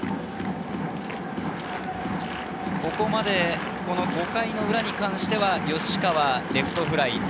ここまで５回の裏に関しては、吉川、レフトフライ。